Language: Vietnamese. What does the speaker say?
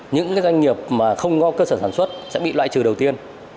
những doanh nghiệp mà không có cơ sở sản xuất sẽ bị loại trừ đầu tiên